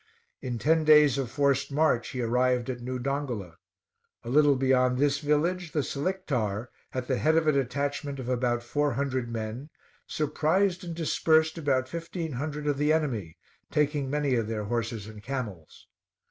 In ten days of forced march he arrived at New Dongola. A little beyond this village, the Selictar, at the head of a detachment of about four hundred men, surprised and dispersed about fifteen hundred of the enemy, taking many of their horses and camels.